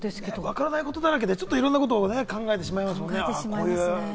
わからないことだらけで、いろんなことを考えてしまいますよね。